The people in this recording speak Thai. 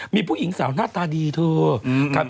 มีผู้หญิงสาวหน้าตาดีเธอครับ